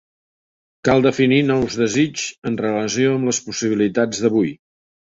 Cal definir nous desigs en relació amb les possibilitats d'avui.